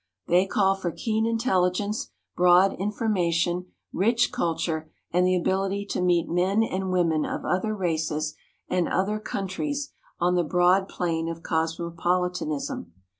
They call for keen intelligence, broad infor mation, rich culture, and the ability to meet men and women of other races and other countries on the broad plane of cosmopoli tanism.